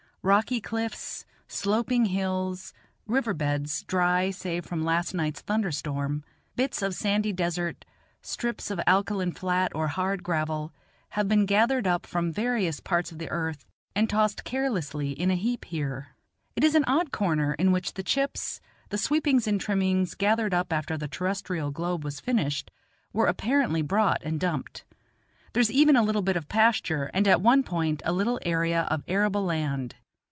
Rocky cliffs, sloping hills, riverbeds, dry save from last night's thunder storm, bits of sandy desert, strips of alkaline flat or hard gravel, have been gathered up from various parts of the earth and tossed carelessly in a heap here. It is an odd corner in which the chips, the sweepings and trimmings, gathered up after the terrestrial globe was finished, were apparently brought and dumped. There is even a little bit of pasture, and at one point a little area of arable land.